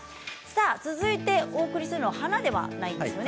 続いてお送りするのは花ではないんですよね。